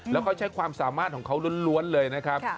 แล้วเขาใช้ความสามารถของเขาล้วนเลยนะครับ